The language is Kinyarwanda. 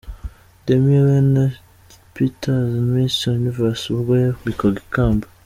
Demi-Leigh Nel-Peters, Miss Universe ubwo yambikwaga ikamba .